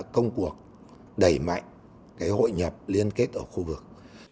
công cuộc đẩy mạnh hội nhập liên kết ở khu vực